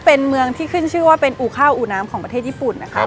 เป็นเมืองที่ขึ้นชื่อว่าเป็นอู่ข้าวอู่น้ำของประเทศญี่ปุ่นนะครับ